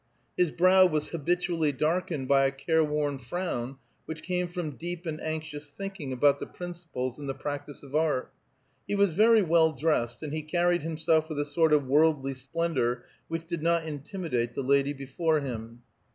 His brow was habitually darkened by a careworn frown, which came from deep and anxious thinking about the principles and the practice of art. He was very well dressed, and he carried himself with a sort of worldly splendor which did not intimidate the lady before him.